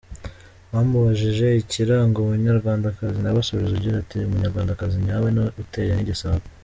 Bamubajije ikiranga umunyarwandakazi nawe asubiza agira ati “Umunyarwandakazi nyawe ni uteye nk’Igisabo.